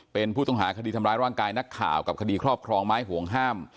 เป็นผู้ต้องหาคดีทำร้ายร่างกายนักข่าวกับคดีครอบครองไม้ห่วงห้าม